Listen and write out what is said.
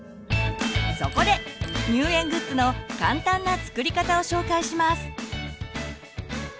そこで入園グッズの簡単な作り方を紹介します。